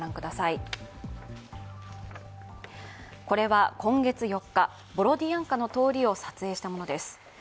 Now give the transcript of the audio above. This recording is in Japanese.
これは今月４日、ボロディアンカの通りを撮影したものです。